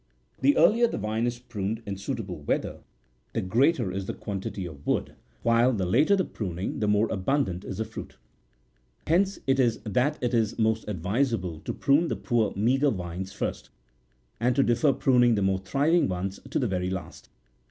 The earlier the vine is pruned, in suitable weather, the greater is the quantity of wood, while the later the pruning, the more abundant is the fruit. Hence it is that it is most advisable to prune the poor meagre vines first, and to defer pruning the more thriving ones to the very last.